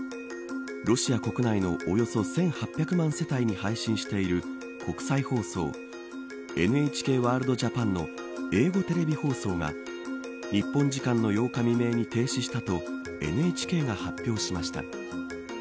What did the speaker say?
ロシア国内のおよそ１８００万世帯に配信している国際放送ＮＨＫワールドジャパンの英語テレビ放送が日本時間の８日未明に停止したとＮＨＫが発表しました。